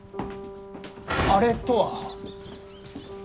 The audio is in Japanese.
「あれ」とは？